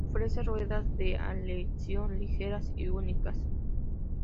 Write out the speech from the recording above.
Ofrece ruedas de aleación ligeras y únicas.